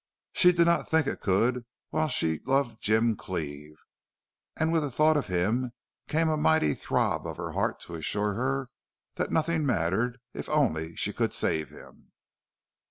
She did not think it could while she loved Jim Cleve; and with thought of him came a mighty throb of her heart to assure her that nothing mattered if only she could save him.